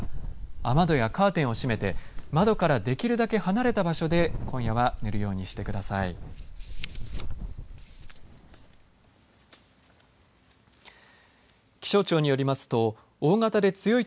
雨戸やカーテンを閉めて窓から、できるだけ離れた場所で今夜は寝るようにしてください。